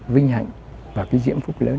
vinh hạnh và cái diễm phúc lớn